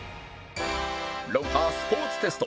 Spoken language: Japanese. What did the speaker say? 『ロンハー』スポーツテスト